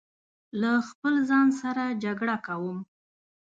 له خپل ځان سره جګړه کوم